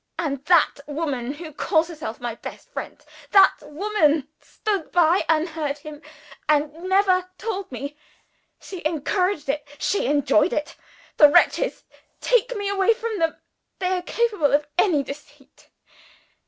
And that woman who calls herself my friend that woman stood by and heard him, and never told me. She encouraged it: she enjoyed it. The wretches! take me away from them. They are capable of any deceit.